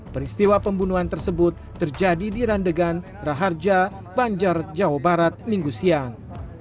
peristiwa pembunuhan tersebut terjadi di randegan raharja banjar jawa barat minggu siang